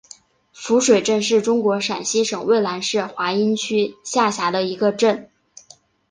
夫水镇是中国陕西省渭南市华阴市下辖的一个镇。